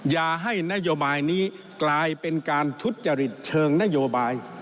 อย่าให้นโยบายนี้กลายเป็นการทุจริตเชิงนโยบาย